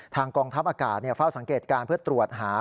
กองทัพอากาศเฝ้าสังเกตการณ์เพื่อตรวจหา